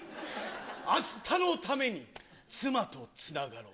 明日のために、妻とつながろう。